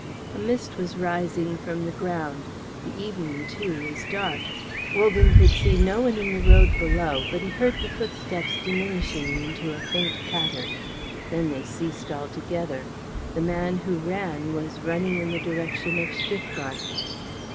A mist was rising from the ground; the evening, too, was dark. Wogan could see no one in the road below, but he heard the footsteps diminishing into a faint patter. Then they ceased altogether. The man who ran was running in the direction of Stuttgart.